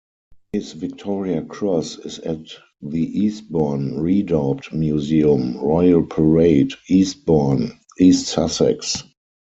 His Victoria Cross is at the Eastbourne Redoubt Museum, Royal Parade, Eastbourne, East Sussex.